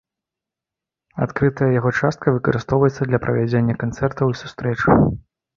Адкрытая яго частка выкарыстоўваецца для правядзення канцэртаў і сустрэч.